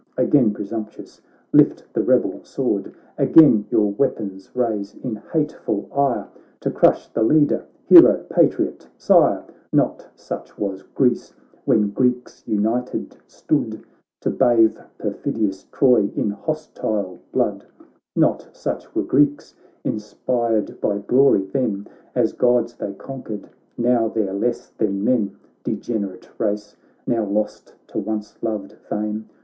Again presumptuous, lift the rebelsword, Again your weapons raise, in hateful ire, To crush the Leader, Hero, Patriot, Sire ! NotsuchwasGreece when Greeks united stood To bathe perfidious Troy in hostile blood ; Not such were Greeks inspired by glory ; then As Gods they conquered, now they're less than men ! Degenerate race ! now lost to once loved fame.